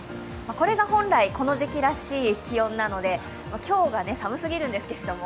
これが本来この時期らしい気温なので、今日が寒すぎるんですけれども。